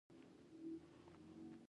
د چهارمغز ګل څنګه وي؟